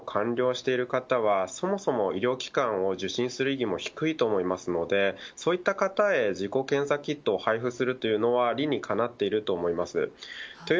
重症化リスクがなくてワクチン接種を完了している方はそもそも医療機関を受診する意義も低いと思いますのでそういった方へ自己検査キットを配布するというのは理にかなっていると思います。